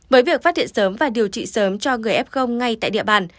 với việc phát hiện sớm và điều trị sớm cho người f ngay tại địa bàn